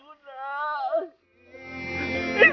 masih aku milih